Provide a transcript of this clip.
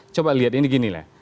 coba lihat ini gini lah